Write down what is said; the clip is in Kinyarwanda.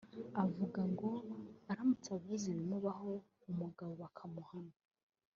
…akavuga ngo aramutse avuze ibimubaho umugabo bakamuhana